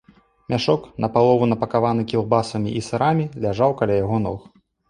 Мяшок, напалову напакаваны кілбасамі і сырамі, ляжаў каля яго ног.